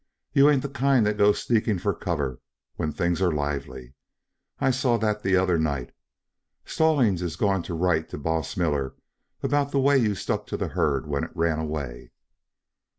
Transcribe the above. You ain't the kind that goes sneaking for cover when things are lively. I saw that the other night. Stallings is going to write to Boss Miller about the way you stuck to the herd when it ran away."